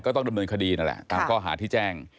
ต้องดำเนินคดีนั่นแหละตามข้อหาที่แจ้ง